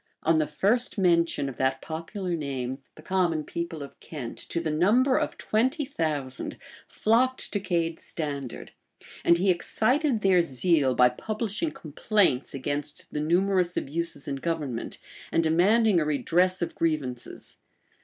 [*] On the first mention of that popular name, the common people of Kent, to the number of twenty thousand, flocked to Cade's standard; and he excited their zeal by publishing complaints against the numerous abuses in government, and demanding a redress of grievances.